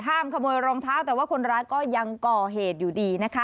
ขโมยรองเท้าแต่ว่าคนร้ายก็ยังก่อเหตุอยู่ดีนะคะ